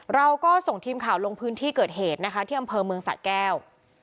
เราก็ส่งทีมข่าวลงพื้นที่เกิดเหตุนะคะที่อำเภอเมืองสะแก้ว